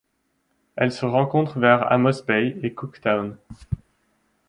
Elle se rencontre vers Amos Bay et Cooktown.